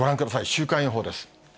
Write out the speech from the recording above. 週間予報です。